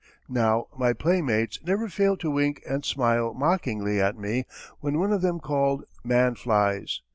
Now my playmates never failed to wink and smile mockingly at me when one of them called "Man flies!"